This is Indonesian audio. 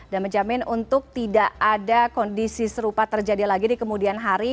dan menjamin untuk tidak ada kondisi serupa terjadi lagi di kemudian hari